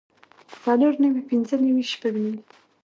څلور نوي پنځۀ نوي شپږ نوي